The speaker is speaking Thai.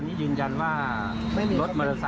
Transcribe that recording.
ไม่มีระเบิดรถมอเตอร์ไซค์ก็ไม่ได้เกี่ยวกับอะไรครับ